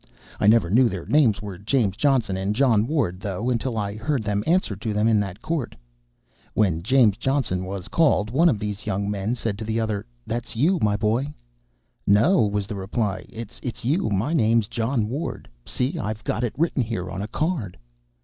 I never knew their names were James Johnson and John Ward, though, until I heard them answer to them in that court. When James Johnson was called, one of these young men said to the other: "That's you, my boy." "No," was the reply, "it's you my name's John Ward see, I've got it written here on a card."